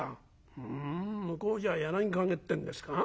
ふん向こうじゃ『柳陰』ってんですか？」。